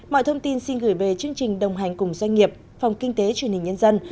mọi thông tin xin gửi về chương trình đồng hành cùng doanh nghiệp phòng kinh tế truyền hình nhân dân